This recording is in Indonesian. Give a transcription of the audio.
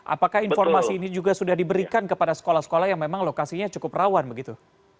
apakah informasi ini juga sudah diberikan kepada sekolah sekolah yang memang lokasinya cukup rawan begitu